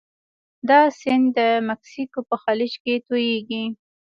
دا سیند د مکسیکو په خلیج کې تویږي.